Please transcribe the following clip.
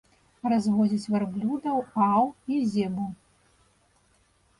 Разводзяць вярблюд аў і зебу.